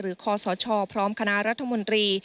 หรือคศพร้อมคณะรัฐมนตรี